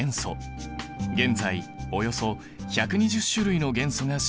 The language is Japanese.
現在およそ１２０種類の元素が知られている。